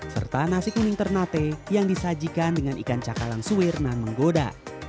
serta nasi kuning ternate yang disajikan dengan ikan cakalang suwir dan menggoda